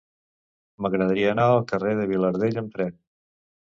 M'agradaria anar al carrer de Vilardell amb tren.